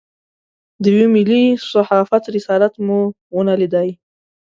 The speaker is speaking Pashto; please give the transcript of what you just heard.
د یوه ملي صحافت رسالت مو ونه لېدای.